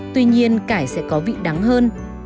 tuy nhiên cải sẽ có vị đắng hơn